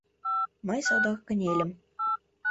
Мый содор кынельым.